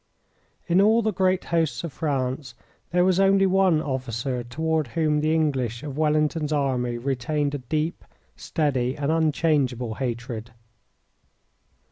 In all the great hosts of France there was only one officer toward whom the English of Wellington's Army retained a deep, steady, and unchangeable hatred.